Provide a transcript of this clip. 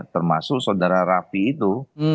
termasuk saudara rafi itu